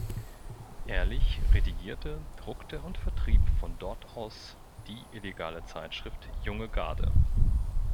Ehrlich redigierte, druckte und vertrieb von dort aus die illegale Zeitschrift "Junge Garde.